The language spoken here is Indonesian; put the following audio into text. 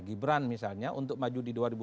gibran misalnya untuk maju di